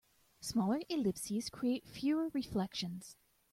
Smaller ellipses create fewer reflections.